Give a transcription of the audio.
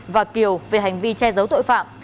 và kiều về hành vi che giấu tội phạm